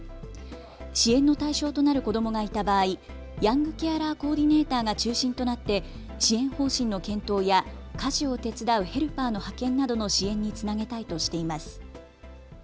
支援の対象となる子どもがいた場合、ヤングケアラー・コーディネーターが中心となって支援方針の検討や家事を手伝うヘルパーの派遣などの支援につなげたいとしています。